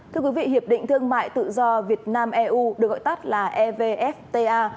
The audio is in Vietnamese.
thưa quý vị hiệp định thương mại tự do việt nam eu được gọi tắt là evfta